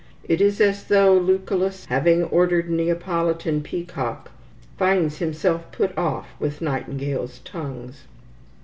It is as though Lucullus, having ordered Neapolitan peacock, finds himself put off with nightingales' tongues.